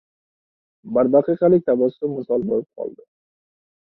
Bir daqiqalik tabassum misol bo‘lib qoldi.